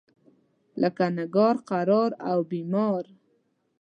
لکه نګار، قرار او بیمار.